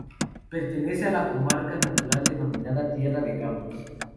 Pertenece a la comarca natural denominada Tierra de Campos.